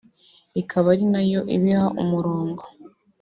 ikaba ari nayo ibiha umurongo